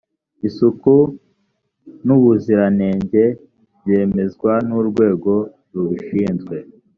isuku n ubuziranenge byemezwa n urwego rubishinzwe